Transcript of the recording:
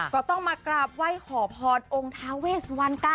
ก็ต้องมากราบไหว้ขอพรองค์ทาเวสวันค่ะ